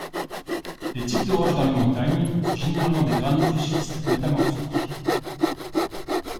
Les types de roches dans les montagnes sont généralement des granites et schistes métamorphiques.